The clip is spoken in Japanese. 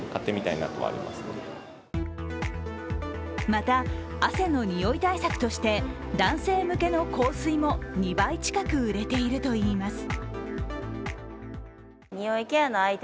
また、汗の臭い対策として男性向けの香水も２倍近く売れているといいます。